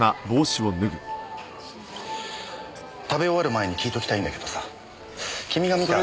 食べ終わる前に聞いときたいんだけどさ君が見た。